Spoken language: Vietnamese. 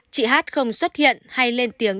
chị h không xuất hiện hay lên tiếng